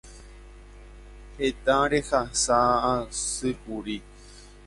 Heta rehasa'asýkuri.